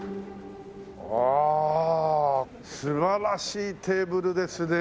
あ素晴らしいテーブルですね。